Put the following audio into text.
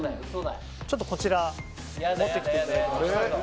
ちょっとこちら持ってきていただけますか？